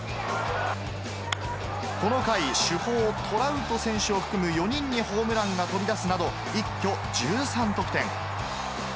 この回、主砲、トラウト選手を含む４人にホームランが飛び出すなど、一挙１３得点。